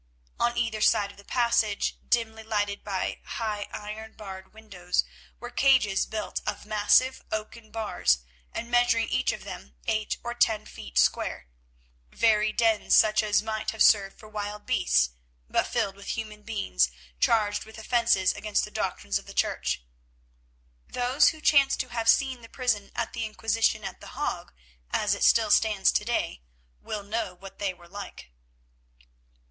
On either side of the passage, dimly lighted by high iron barred windows, were cages built of massive oaken bars, and measuring each of them eight or ten feet square, very dens such as might have served for wild beasts, but filled with human beings charged with offences against the doctrines of the Church. Those who chance to have seen the prison of the Inquisition at The Hague as it still stands to day, will know what they were like.